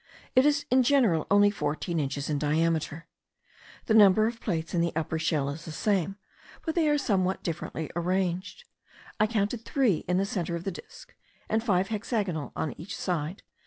It is in general only fourteen inches in diameter. The number of plates in the upper shell is the same, but they are somewhat differently arranged. I counted three in the centre of the disk, and five hexagonal on each side.